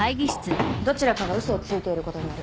どちらかが嘘をついていることになる。